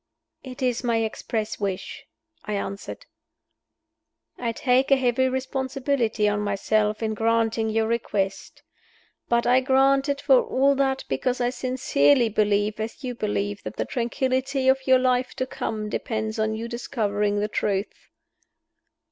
"It is my express wish," I answered. "I take a heavy responsibility on myself in granting your request. But I grant it for all that, because I sincerely believe as you believe that the tranquillity of your life to come depends on your discovering the truth."